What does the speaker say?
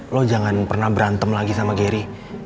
lo jangan pernah berantem lagi sama gary